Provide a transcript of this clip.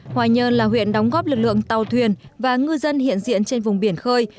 hoài nhơn là huyện đóng góp lực lượng tàu thuyền và ngư dân hiện diện trên vùng biển khơi